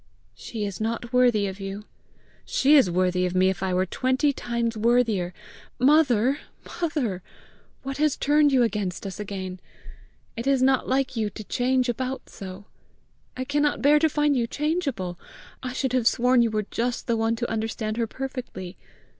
"She is not worthy of you." "She is worthy of me if I were twenty times worthier! Mother, mother! What has turned you against us again? It is not like you to change about so! I cannot bear to find you changeable! I should have sworn you were just the one to understand her perfectly!